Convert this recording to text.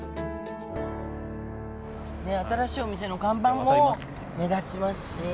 新しいお店の看板も目立ちますし。